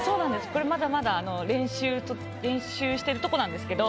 これまだまだ練習練習してるとこなんですけど。